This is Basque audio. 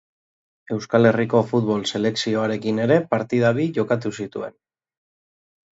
Euskal Herriko futbol selekzioarekin ere partida bi jokatu zituen.